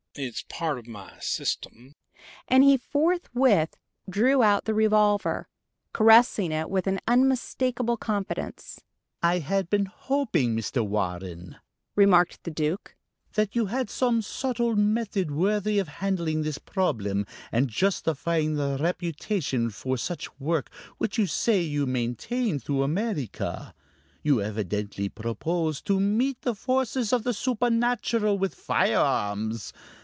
"It's part of my system." And he forthwith drew out the revolver, caressing it with an unmistakable confidence. "I had been hoping, Mr. Warren," remarked the Duke, "that you had some subtle method worthy of handling this problem, and justifying the reputation for such work which you say you maintain through America. You evidently propose to meet the forces of the supernatural with firearms....